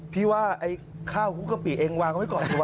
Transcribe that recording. พี่ว่าข้าวกุ๊กกะปิเองวางไว้ก่อนสิวะ